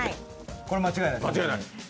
これ間違いないです。